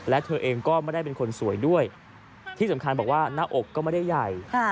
และเธอเองก็ไม่ได้เป็นคนสวยด้วยที่สำคัญบอกว่าหน้าอกก็ไม่ได้ใหญ่